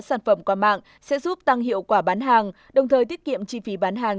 sản phẩm qua mạng sẽ giúp tăng hiệu quả bán hàng đồng thời tiết kiệm chi phí bán hàng